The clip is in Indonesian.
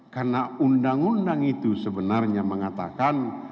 karena undang undang itu sebenarnya mengatakan